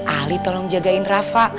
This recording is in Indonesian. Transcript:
ali tolong jagain rafa